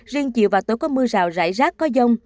riêng chiều và tối có mưa rào rải rác có dông